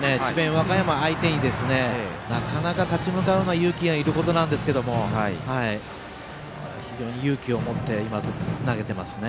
和歌山相手になかなか立ち向かうのは勇気がいることなんですが非常に勇気を持って投げてますね。